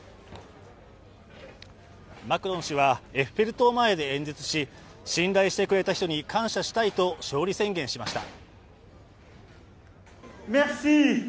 マクロン氏はエッフェル塔前で演説し、信頼してくれた人に感謝したいと勝利宣言しました。